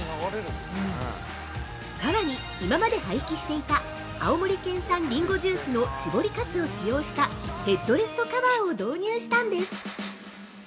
さらに、今まで廃棄していた青森県産りんごジュースの搾りかすを使用したヘッドレストカバーを導入したんです！